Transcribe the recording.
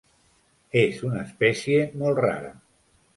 És una espècie molt rara.